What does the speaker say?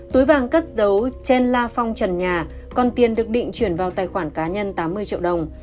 túi vàng cất dấu trên la phong trần nhà còn tiền được định chuyển vào tài khoản cá nhân tám mươi triệu đồng